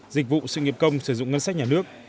dịch vụ sự nghiệp công sử dụng ngân sách nhà nước